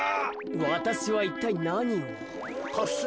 わたしはいったいなにを？